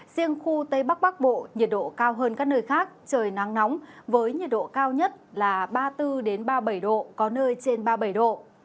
riêng khu tây bắc bắc bộ nhiệt độ cao hơn các nơi khác trời nắng nóng với nhiệt độ cao nhất là ba mươi bốn ba mươi bảy độ có nơi trên ba mươi bảy độ